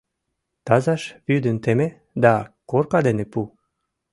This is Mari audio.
— Тазыш вӱдым теме да корка дене пу.